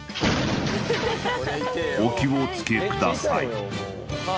お気をつけください